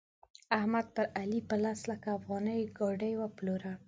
احمد پر علي په لس لکه افغانۍ ګاډي وپلوره.